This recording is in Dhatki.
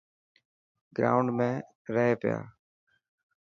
گرائونڊ ۾ رهي پيا.